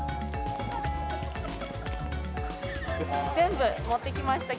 全部、持ってきました、